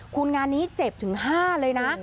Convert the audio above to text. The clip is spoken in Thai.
คุณงานนี้เจ็บถึง๕เลยนะ